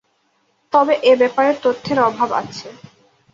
তবে এ ব্যাপারে তথ্যের অভাব আছে।